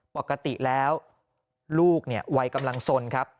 ปกติแล้วลูกเนี่ยวัยกำลังสนครับ